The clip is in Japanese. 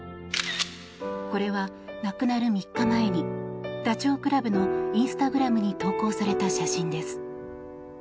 これは、亡くなる３日前にダチョウ倶楽部のインスタグラムに投稿された写真です。